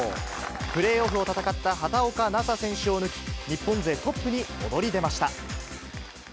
プレーオフを戦った畑岡奈紗選手を抜き、日本勢トップに躍り出ました。